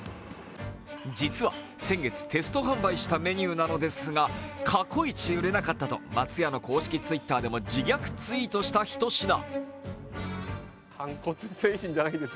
実は、先月、テスト販売したメニューなのですが過去イチ売れなかったと松屋の公式Ｔｗｉｔｔｅｒでも自虐ツイートしたひと品。